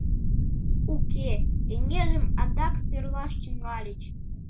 Уке, кеҥежым адак «тӧрлаш» тӱҥальыч.